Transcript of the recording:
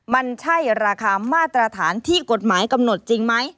มันใช่ราคามาตรฐานที่กฎหมายกำหนดจริงไหม